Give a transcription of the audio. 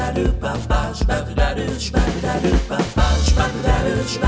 ลูกค้าจริงทำไมพร้อม